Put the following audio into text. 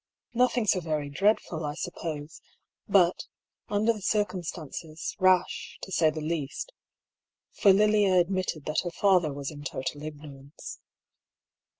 " Nothing so very dreadful, I suppose; but, under the circumstances, rash, to say the least — for Lilia ad mitted that her father was in total ignorance.